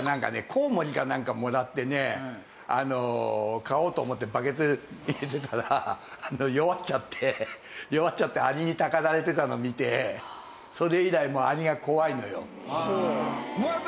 コウモリかなんかもらってね飼おうと思ってバケツ入れてたら弱っちゃって弱っちゃってアリにたかられてたのを見てそれ以来アリが怖いのよ。